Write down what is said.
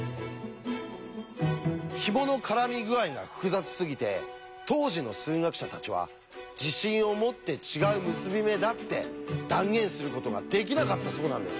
ひもの絡み具合が複雑すぎて当時の数学者たちは自信を持って違う結び目だって断言することができなかったそうなんです。